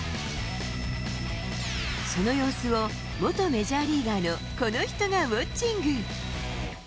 その様子を、元メジャーリーガーのこの人がウォッチング。